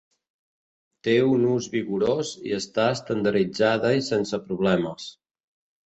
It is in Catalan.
Té un ús vigorós i està estandarditzada i sense problemes.